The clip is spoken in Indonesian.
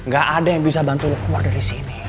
gak ada yang bisa bantu lo keluar dari sini